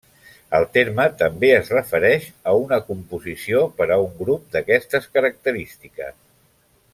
El terme també es refereix a una composició per a un grup d'aquestes característiques.